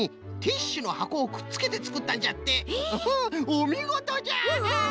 おみごとじゃ。